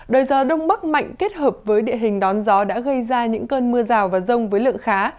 đời gió đông bắc mạnh kết hợp với địa hình đón gió đã gây ra những cơn mưa rào và rông với lượng khá